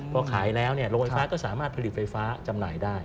พอขายแล้วโรงไฟฟ้าก็สามารถผลิตไฟฟ้าจำหน่ายได้